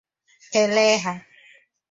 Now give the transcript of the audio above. kelee ha